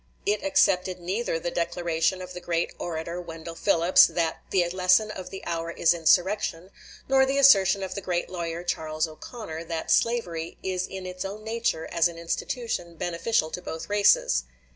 It accepted neither the declaration of the great orator Wendell Phillips, that "the lesson of the hour is insurrection," nor the assertion of the great lawyer Charles O'Conor, that slavery "is in its own nature, as an institution, beneficial to both races."